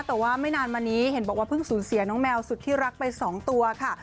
แต่ว่าไม่นานมานี้เห็นบอกว่าเพิ่งสูญเสียน้องแมวสุดที่รักไป๒ตัวค่ะ